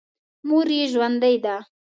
مور یې ژوندۍ ده.